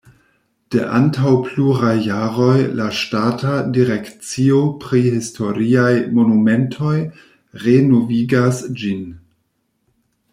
De antaŭ pluraj jaroj la ŝtata direkcio pri historiaj monumentoj renovigas ĝin.